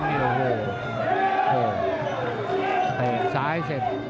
โหไพรต์ซ้ายเสร็จ